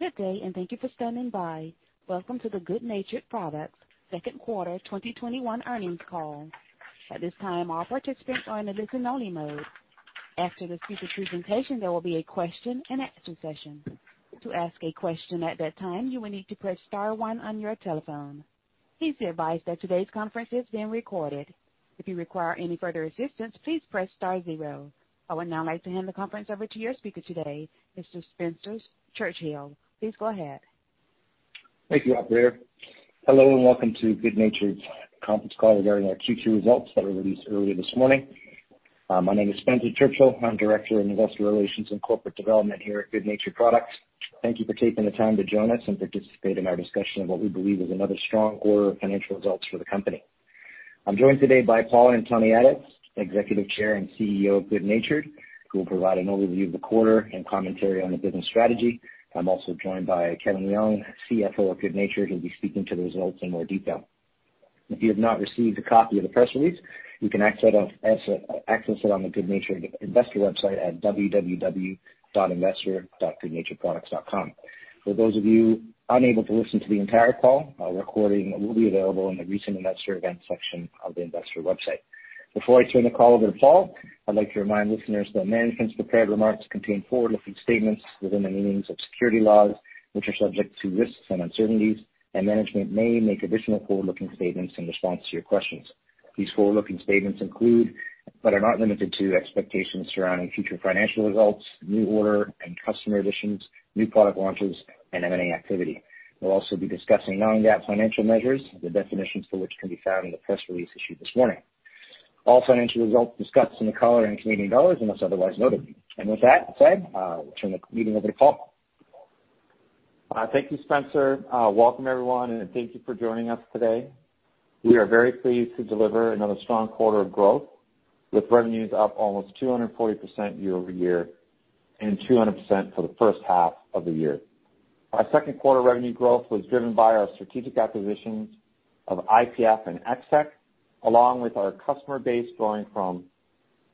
Good day, and thank you for standing by. Welcome to the good natured Products second quarter 2021 earnings call. At this time, all participants are in a listen-only mode. After the speaker presentation, there will be a question and answer session. To ask a question at that time, you will need to press star one on your telephone. Please be advised that today's conference is being recorded. If you require any further assistance, please press star zero. I would now like to hand the conference over to your speaker today, Mr. Spencer Churchill. Please go ahead. Thank you, operator. Hello, welcome to good natured's conference call regarding our Q2 results that were released earlier this morning. My name is Spencer Churchill. I'm Director of Investor Relations and Corporate Development here at good natured Products. Thank you for taking the time to join us and participate in our discussion of what we believe is another strong quarter of financial results for the company. I'm joined today byPaul Antoniadis, Executive Chair and CEO of good natured, who will provide an overview of the quarter and commentary on the business strategy. I'm also joined by Kevin Leong, CFO of good natured, who'll be speaking to the results in more detail. If you have not received a copy of the press release, you can access it on the good natured Investor website at www.investor.goodnaturedproducts.com. For those of you unable to listen to the entire call, a recording will be available in the Recent Investor Events section of the investor website. Before I turn the call over to Paul, I'd like to remind listeners that management's prepared remarks contain forward-looking statements within the meanings of security laws, which are subject to risks and uncertainties, and management may make additional forward-looking statements in response to your questions. These forward-looking statements include, but are not limited to, expectations surrounding future financial results, new order and customer additions, new product launches, and M&A activity. We'll also be discussing non-GAAP financial measures, the definitions for which can be found in the press release issued this morning. All financial results discussed in the call are in Canadian dollars, unless otherwise noted. With that said, I'll turn the meeting over to Paul. Thank you, Spencer. Welcome everyone, and thank you for joining us today. We are very pleased to deliver another strong quarter of growth, with revenues up almost 240% year-over-year and 200% for the first half of the year. Our second quarter revenue growth was driven by our strategic acquisitions of IPF and Ex-Tech, along with our customer base growing to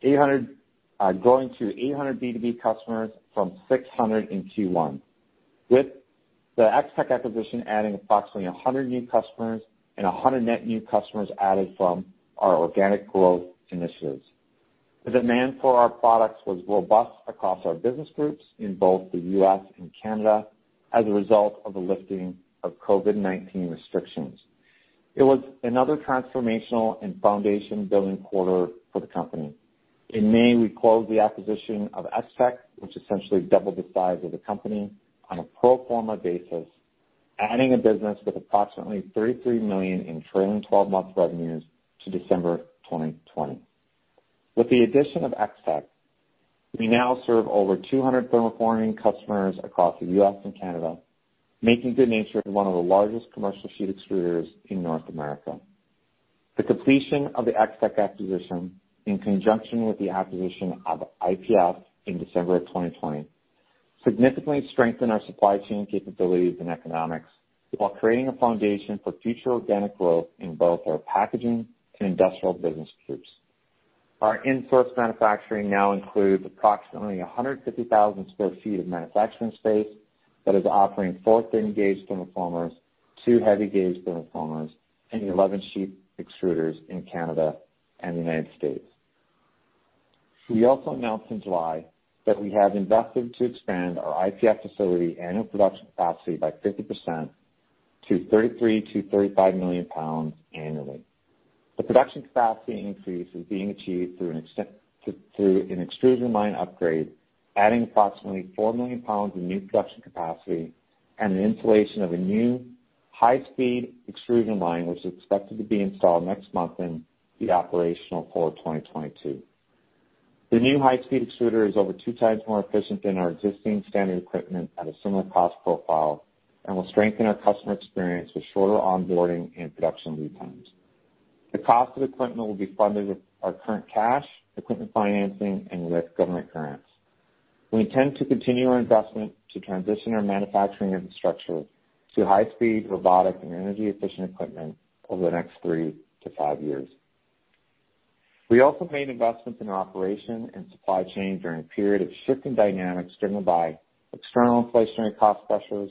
800 B2B customers from 600 in Q1, with the Ex-Tech acquisition adding approximately 100 new customers and 100 net new customers added from our organic growth initiatives. The demand for our products was robust across our business groups in both the U.S. and Canada as a result of the lifting of COVID-19 restrictions. It was another transformational and foundation-building quarter for the company. In May, we closed the acquisition of Ex-Tech, which essentially doubled the size of the company on a pro forma basis, adding a business with approximately CAD 33 million in trailing 12 months revenues to December 2020. With the addition of Ex-Tech, we now serve over 200 thermoforming customers across the U.S. and Canada, making good natured one of the largest commercial sheet extruders in North America. The completion of the Ex-Tech acquisition, in conjunction with the acquisition of IPF in December of 2020, significantly strengthened our supply chain capabilities and economics while creating a foundation for future organic growth in both our packaging and industrial business groups. Our in-source manufacturing now includes approximately 150,000 square feet of manufacturing space that is operating 4 thin gauge thermoformers, two heavy gauge thermoformers, and 11 sheet extruders in Canada and the United States. We also announced in July that we have invested to expand our IPF facility annual production capacity by 50% to 33-35 million pounds annually. The production capacity increase is being achieved through an extrusion line upgrade, adding approximately 4 million pounds in new production capacity and the installation of a new high-speed extrusion line, which is expected to be installed next month in the operational quarter 2022. The new high-speed extruder is over 2x more efficient than our existing standard equipment at a similar cost profile and will strengthen our customer experience with shorter onboarding and production lead times. The cost of equipment will be funded with our current cash, equipment financing, and with government grants. We intend to continue our investment to transition our manufacturing infrastructure to high-speed, robotic and energy-efficient equipment over the next three to five years. We also made investments in our operation and supply chain during a period of shifting dynamics driven by external inflationary cost pressures,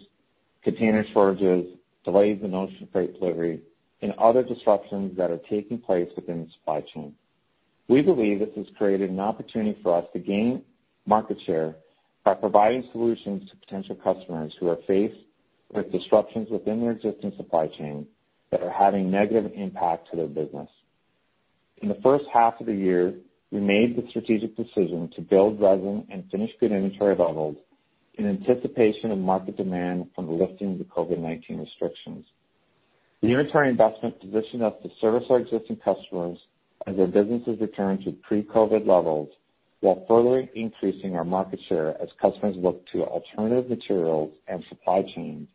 container shortages, delays in ocean freight delivery, and other disruptions that are taking place within the supply chain. We believe this has created an opportunity for us to gain market share by providing solutions to potential customers who are faced with disruptions within their existing supply chain that are having negative impact to their business. In the first half of the year, we made the strategic decision to build resin and finished good inventory levels in anticipation of market demand from the lifting of the COVID-19 restrictions. The inventory investment positioned us to service our existing customers as their businesses return to pre-COVID levels while further increasing our market share as customers look to alternative materials and supply chains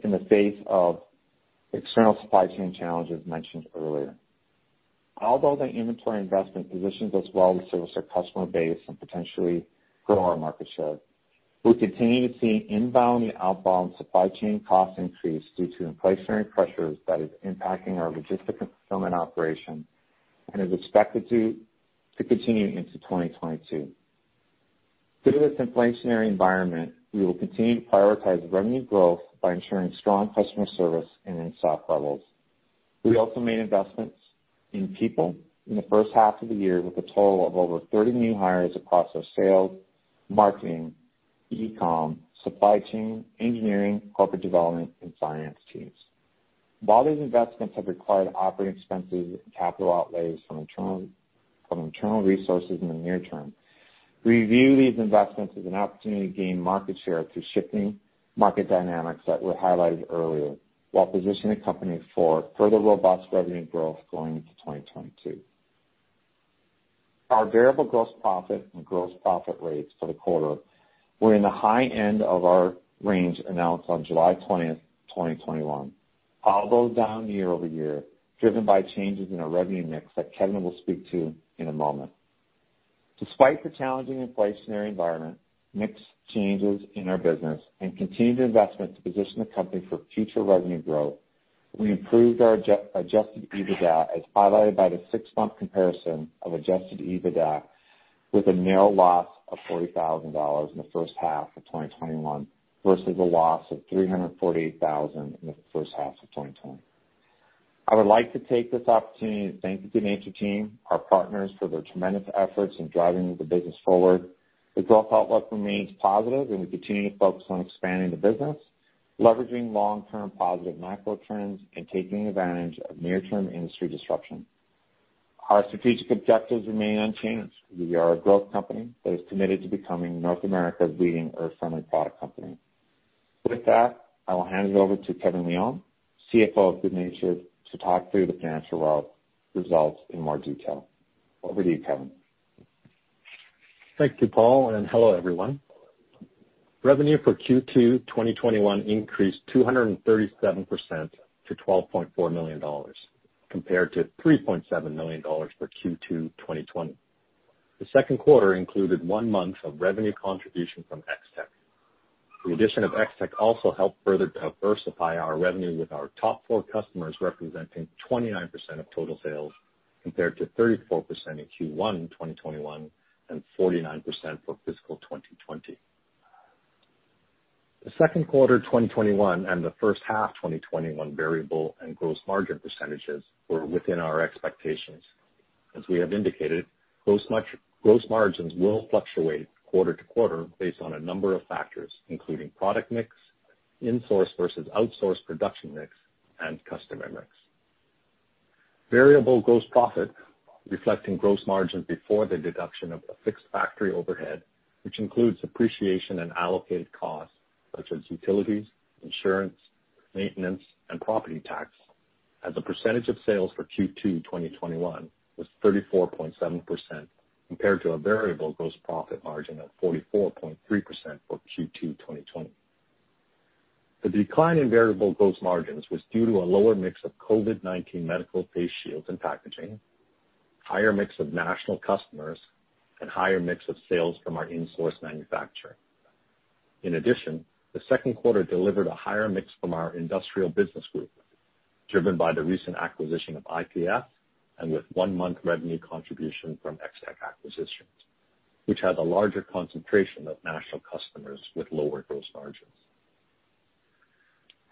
in the face of external supply chain challenges mentioned earlier. Although the inventory investment positions us well to service our customer base and potentially grow our market share, we continue to see inbound and outbound supply chain costs increase due to inflationary pressures that is impacting our logistics fulfillment operation and is expected to continue into 2022. Through this inflationary environment, we will continue to prioritize revenue growth by ensuring strong customer service and in stock levels. We also made investments in people in the first half of the year with a total of over 30 new hires across our sales, marketing, e-com, supply chain, engineering, corporate development, and finance teams. While these investments have required operating expenses and capital outlays from internal resources in the near term, we view these investments as an opportunity to gain market share through shifting market dynamics that were highlighted earlier, while positioning the company for further robust revenue growth going into 2022. Our variable gross profit and gross profit rates for the quarter were in the high end of our range announced on July 20th, 2021, although down year-over-year, driven by changes in our revenue mix that Kevin will speak to in a moment. Despite the challenging inflationary environment, mix changes in our business, and continued investment to position the company for future revenue growth, we improved our adjusted EBITDA, as highlighted by the six-month comparison of adjusted EBITDA, with a narrow loss of 40,000 dollars in the first half of 2021 versus a loss of 348,000 in the first half of 2020. I would like to take this opportunity to thank the good natured team, our partners, for their tremendous efforts in driving the business forward. The growth outlook remains positive, and we continue to focus on expanding the business, leveraging long-term positive macro trends, and taking advantage of near-term industry disruption. Our strategic objectives remain unchanged. We are a growth company that is committed to becoming North America's leading earth-friendly product company. With that, I will hand it over to Kevin Leong, CFO of good natured, to talk through the financial results in more detail. Over to you, Kevin. Thank you, Paul, and hello, everyone. Revenue for Q2 2021 increased 237% to 12.4 million dollars, compared to 3.7 million dollars for Q2 2020. The second quarter included one month of revenue contribution from Ex-Tech. The addition of Ex-Tech also helped further diversify our revenue, with our top four customers representing 29% of total sales, compared to 34% in Q1 2021 and 49% for fiscal 2020. The second quarter 2021 and the first half 2021 variable and gross margin percentages were within our expectations. As we have indicated, gross margins will fluctuate quarter to quarter based on a number of factors, including product mix, in-source versus outsource production mix, and customer mix. Variable gross profit, reflecting gross margins before the deduction of a fixed factory overhead, which includes depreciation and allocated costs such as utilities, insurance, maintenance, and property tax, as a percentage of sales for Q2 2021 was 34.7%, compared to a variable gross profit margin of 44.3% for Q2 2020. The decline in variable gross margins was due to a lower mix of COVID-19 medical face shields and packaging, higher mix of national customers, and higher mix of sales from our in-source manufacturing. The second quarter delivered a higher mix from our industrial business group, driven by the recent acquisition of IPF and with 1 month revenue contribution from Ex-Tech acquisitions, which has a larger concentration of national customers with lower gross margins.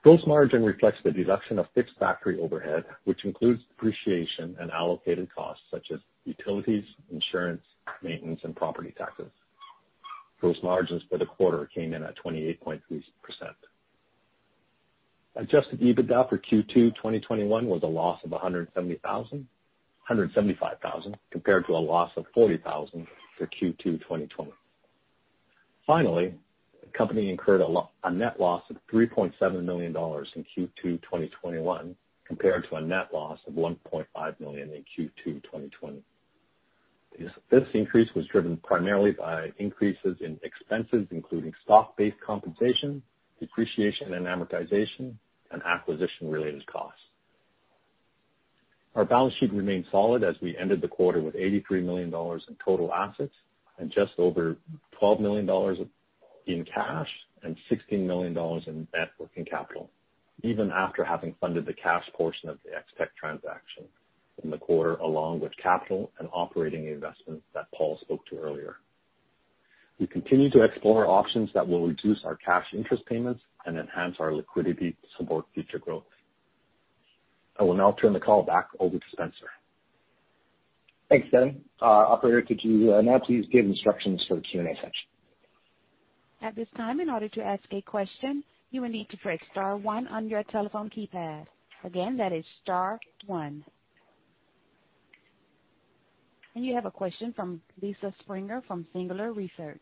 Gross margin reflects the deduction of fixed factory overhead, which includes depreciation and allocated costs such as utilities, insurance, maintenance, and property taxes. Gross margins for the quarter came in at 28.3%. adjusted EBITDA for Q2 2021 was a loss of 175,000, compared to a loss of 40,000 for Q2 2020. Finally, the company incurred a net loss of 3.7 million dollars in Q2 2021, compared to a net loss of 1.5 million in Q2 2020. This increase was driven primarily by increases in expenses, including stock-based compensation, depreciation and amortization, and acquisition related costs. Our balance sheet remained solid as we ended the quarter with 83 million dollars in total assets and just over 12 million dollars in cash and 16 million dollars in net working capital, even after having funded the cash portion of the Extech transaction in the quarter, along with capital and operating investments that Paul spoke to earlier. We continue to explore options that will reduce our cash interest payments and enhance our liquidity to support future growth. I will now turn the call back over to Spencer. Thanks, Kevin. Operator, could you now please give instructions for the Q&A session? You have a question from Lisa Springer from Singular Research.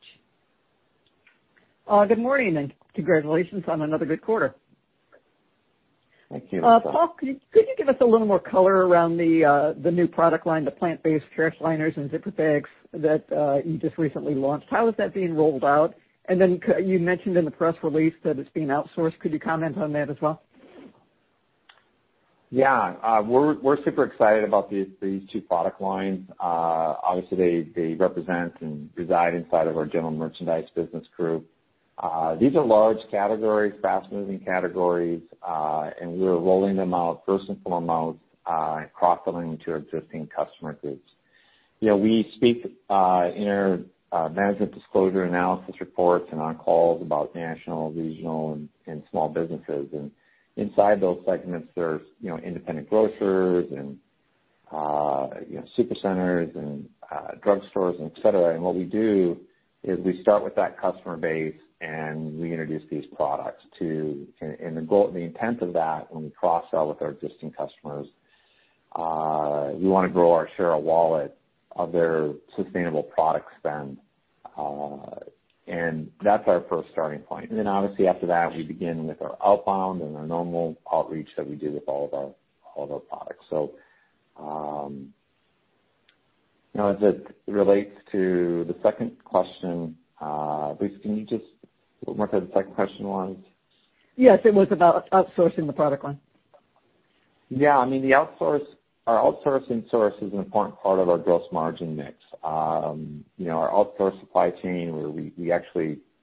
Good morning. Congratulations on another good quarter. Thank you. Paul, could you give us a little more color around the new product line, the plant-based trash liners and zipper bags that you just recently launched? How is that being rolled out? Then you mentioned in the press release that it's being outsourced. Could you comment on that as well? Yeah. We're super excited about these two product lines. Obviously, they represent and reside inside of our general merchandise business group. These are large categories, fast-moving categories, and we are rolling them out first and foremost, and cross-selling to existing customer groups. We speak in our management disclosure analysis reports and on calls about national, regional, and small businesses. Inside those segments, there's independent grocers and super centers and drugstores and et cetera. What we do is we start with that customer base, and we introduce these products to. The intent of that, when we cross-sell with our existing customers, we want to grow our share of wallet of their sustainable product spend. That's our first starting point. Obviously after that, we begin with our outbound and our normal outreach that we do with all of our products. As it relates to the second question, Lisa, can you just mark what the second question was? Yes. It was about outsourcing the product line. Yeah. Our outsource and source is an important part of our gross margin mix. Our outsource supply chain,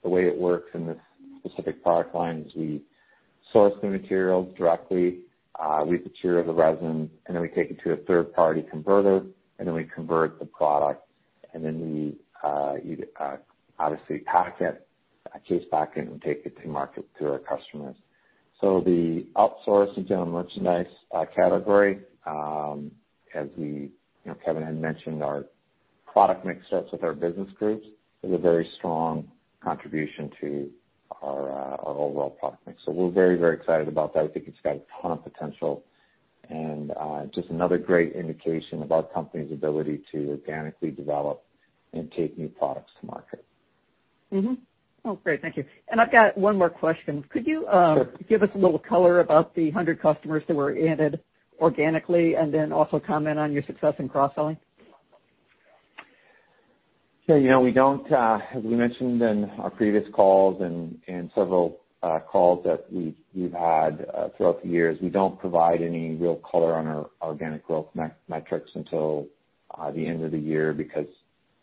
the way it works in this specific product line is we source the materials directly, we procure the resin, and then we take it to a third-party converter, and then we convert the product, and then we obviously package it, case package it, and take it to market to our customers. The outsourced general merchandise category, as Kevin had mentioned, our product mix starts with our business groups. It's a very strong contribution to our overall product mix. We're very excited about that. I think it's got a ton of potential, and just another great indication of our company's ability to organically develop and take new products to market. Mm-hmm. Oh, great. Thank you. I've got one more question. Sure. Could you give us a little color about the 100 customers that were added organically, and then also comment on your success in cross-selling? As we mentioned in our previous calls and several calls that we've had throughout the years, we don't provide any real color on our organic growth metrics until the end of the year, because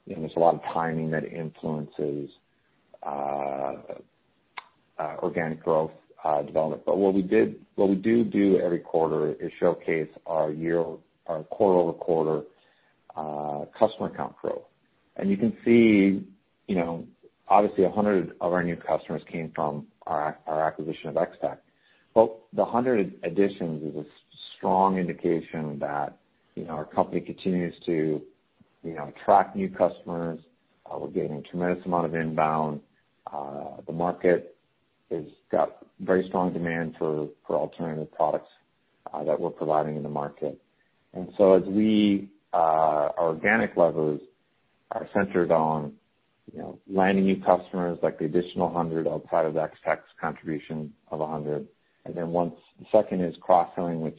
there's a lot of timing that influences organic growth development. What we do every quarter is showcase our quarter-over-quarter customer count growth. You can see, obviously 100 of our new customers came from our acquisition of Ex-Tech. The 100 additions is a strong indication that our company continues to attract new customers. We're getting a tremendous amount of inbound. The market has got very strong demand for alternative products that we're providing in the market. Our organic levers are centered on landing new customers, like the additional 100 outside of Ex-Tech's contribution of 100, the second is cross-selling, which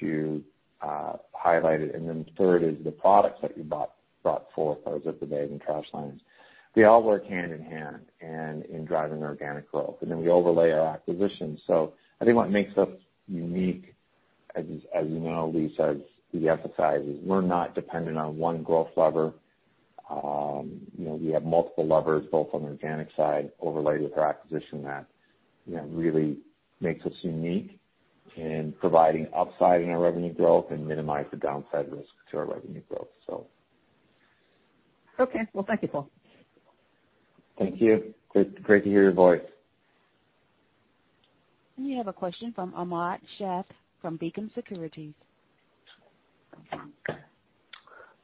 you highlighted, third is the products that we brought forth, those of the bag and trash lines. They all work hand in hand in driving organic growth. We overlay our acquisitions. I think what makes us unique, as you know, Lisa, as we emphasize, is we're not dependent on one growth lever. We have multiple levers, both on the organic side overlaid with our acquisition that really makes us unique in providing upside in our revenue growth and minimize the downside risk to our revenue growth. Okay. Well, thank you, Paul. Thank you. Great to hear your voice. We have a question from Ahmad Shaath from Beacon Securities.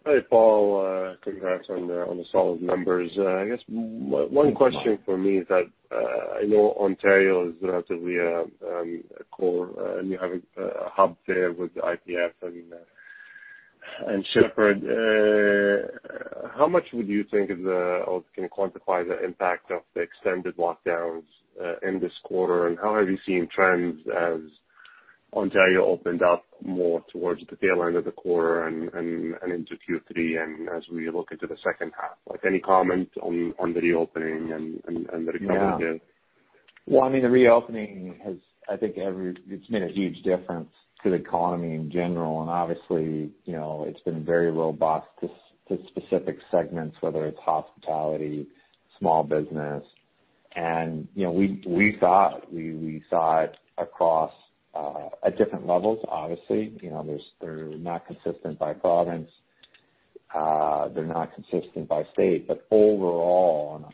Hey, Paul. Congrats on the solid numbers. I guess one question for me is that I know Ontario is relatively a core, and you have a hub there with the IPF and Shepherd. How much would you think of the, or can you quantify the impact of the extended lockdowns in this quarter, and how have you seen trends as Ontario opened up more towards the tail end of the quarter and into Q3 and as we look into the second half? Any comment on the reopening and the recovery there? Yeah. Well, the reopening, I think it's made a huge difference to the economy in general, and obviously, it's been very robust to specific segments, whether it's hospitality, small business. We saw it across at different levels, obviously. They're not consistent by province, they're not consistent by state. Overall,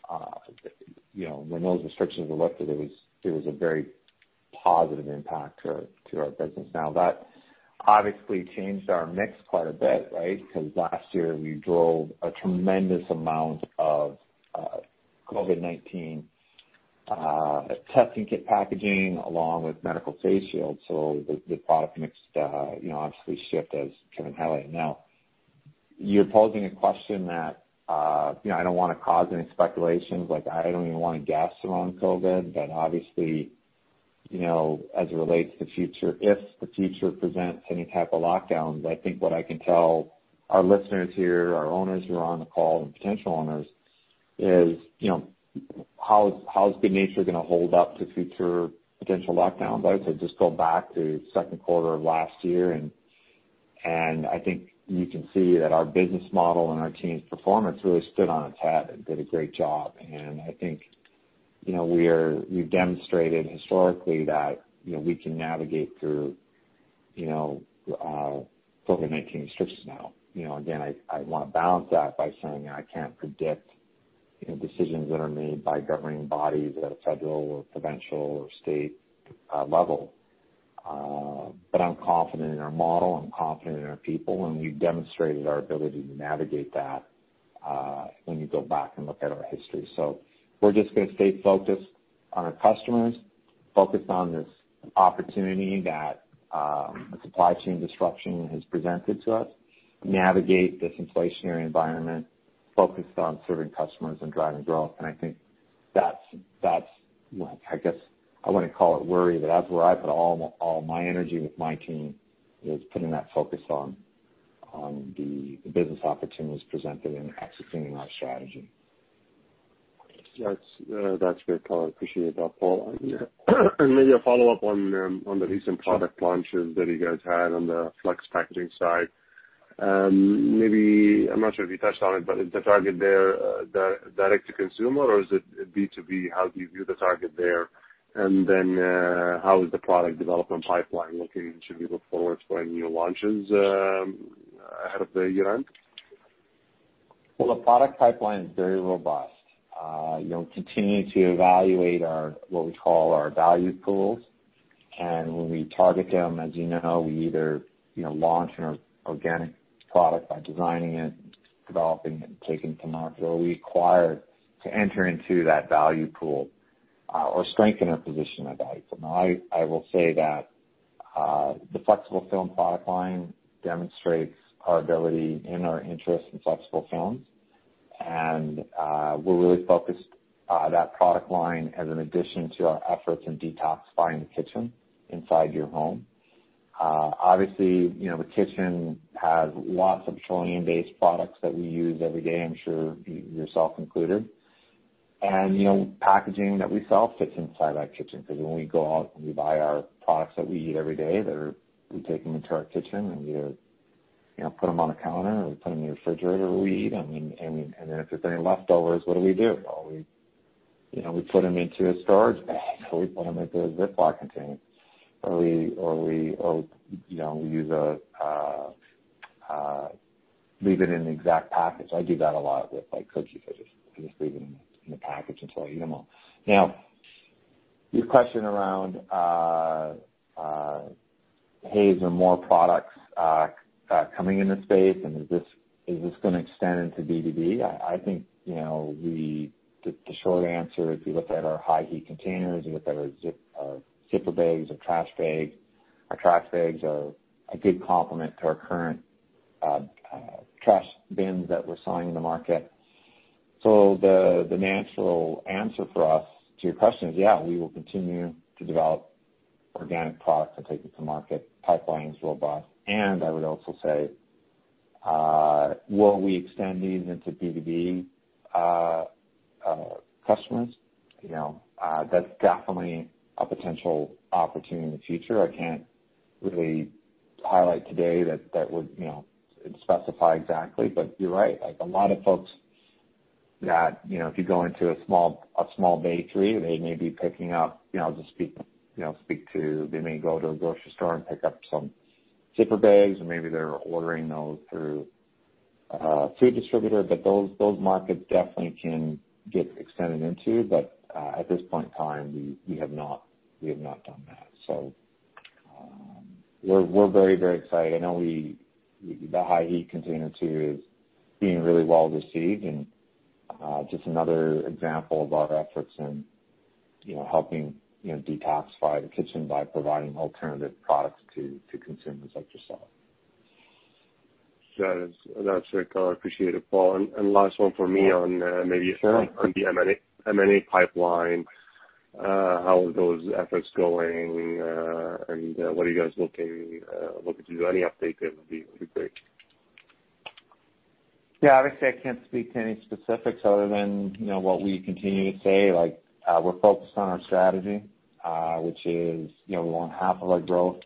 when those restrictions were lifted, it was a very positive impact to our business. Now, that obviously changed our mix quite a bit, right? Because last year we drove a tremendous amount of COVID-19 testing kit packaging along with medical face shields. The product mix obviously shift as Kevin highlighted. Now, you're posing a question that I don't want to cause any speculations. I don't even want to guess around COVID-19. Obviously, as it relates to future, if the future presents any type of lockdowns, I think what I can tell our listeners here, our owners who are on the call and potential owners is, how is good natured Products going to hold up to future potential lockdowns? I'd say just go back to second quarter of last year. I think you can see that our business model and our team's performance really stood on its head and did a great job. I think we've demonstrated historically that we can navigate through COVID-19 restrictions now. Again, I want to balance that by saying I can't predict decisions that are made by governing bodies at a federal or provincial or state level. I'm confident in our model, I'm confident in our people, and we've demonstrated our ability to navigate that when you go back and look at our history. We're just going to stay focused on our customers, focused on this opportunity that the supply chain disruption has presented to us, navigate this inflationary environment, focused on serving customers and driving growth. I think that's, I guess I wouldn't call it worry, but that's where I put all my energy with my team, is putting that focus on the business opportunities presented and executing on our strategy. That's great. I appreciate that, Paul. Maybe a follow-up on the recent product launches that you guys had on the flex packaging side. I'm not sure if you touched on it, but is the target there direct to consumer, or is it B2B? How do you view the target there? How is the product development pipeline looking? Should we look forward for any new launches ahead of the year end? Well, the product pipeline is very robust. Continuing to evaluate our, what we call our value pools. When we target them, as you know, we either launch an organic product by designing it, developing it, and taking it to market, or we acquire to enter into that value pool or strengthen our position of value. Now, I will say that the flexible film product line demonstrates our ability and our interest in flexible films. We're really focused that product line as an addition to our efforts in detoxifying the kitchen inside your home. Obviously, the kitchen has lots of petroleum-based products that we use every day, I'm sure yourself included. Packaging that we sell fits inside our kitchen, because when we go out and we buy our products that we eat every day, we take them into our kitchen, and we either put them on a counter or we put them in a refrigerator. We eat them, then if there's any leftovers, what do we do? Well, we put them into a storage bag or we put them into a Ziploc container, or we leave it in the exact package. I do that a lot with my cookies. I just leave them in the package until I eat them all. Now, your question around, hey, is there more products coming in this space, and is this going to extend into B2B? I think the short answer is we looked at our high-heat containers. We looked at our zipper bags, our trash bags. Our trash bags are a good complement to our current trash bins that we're selling in the market. The natural answer for us to your question is, yeah, we will continue to develop organic products and take it to market. Pipeline is robust. I would also say, will we extend these into B2B customers? That's definitely a potential opportunity in the future. I can't really highlight today that would specify exactly, but you're right. Like, a lot of folks that if you go into a small bakery, they may be picking up, I'll just speak to they may go to a grocery store and pick up some zipper bags, or maybe they're ordering those through a food distributor. Those markets definitely can get extended into. At this point in time, we have not done that. We're very excited. I know the high-heat container too is being really well received and just another example of our efforts in helping detoxify the kitchen by providing alternative products to consumers like yourself. That's it. I appreciate it, Paul. Last one from me on maybe on the M&A pipeline. How are those efforts going, and what are you guys looking to do? Any update there would be great. Yeah, obviously, I can't speak to any specifics other than what we continue to say. We're focused on our strategy, which is we want half of our growth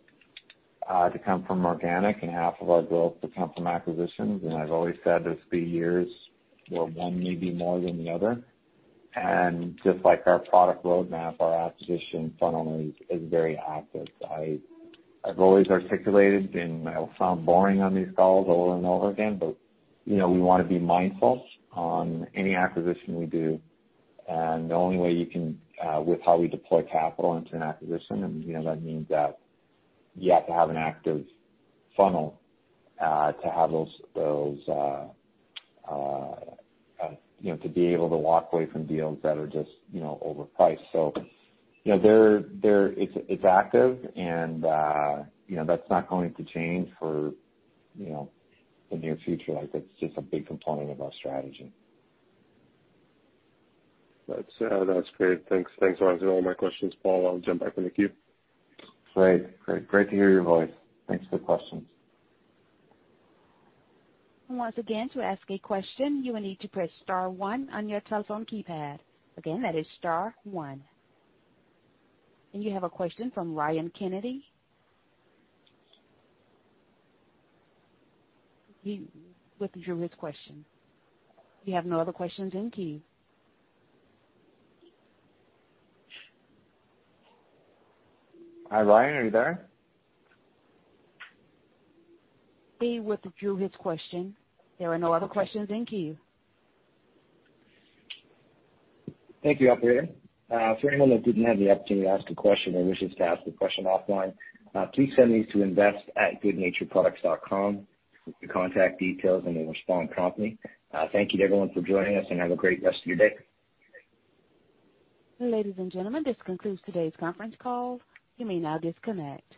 to come from organic and half of our growth to come from acquisitions. I've always said there's three years where one may be more than the other. Just like our product roadmap, our acquisition funnel is very active. I've always articulated and I will sound boring on these calls over and over again, but we want to be mindful on any acquisition we do, and the only way you can with how we deploy capital into an acquisition. That means that you have to have an active funnel to be able to walk away from deals that are just overpriced. It's active, and that's not going to change for the near future. That's just a big component of our strategy. That's great. Thanks for answering all my questions, Paul. I'll jump back in the queue. Great to hear your voice. Thanks for the questions. Once again, to ask a question, you will need to press star one on your telephone keypad. Again, that is star one. You have a question from Ryan Kennedy. He withdrew his question. You have no other questions in queue. Hi, Ryan, are you there? He withdrew his question. There are no other questions in queue. Thank you, operator. For anyone that didn't have the opportunity to ask a question or wishes to ask the question offline, please send these to invest@goodnaturedproducts.com with your contact details, and they'll respond promptly. Thank you to everyone for joining us, and have a great rest of your day. Ladies and gentlemen, this concludes today's conference call. You may now disconnect.